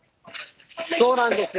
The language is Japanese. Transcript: そうなんですよ。